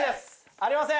ありません。